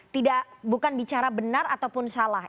tidak bukan bicara benar ataupun salah